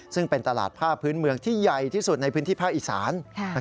ซึ่งเป็นตลาดผ้าพื้นเมืองที่ใหญ่ที่สุดในพื้นที่ภาคอีสาน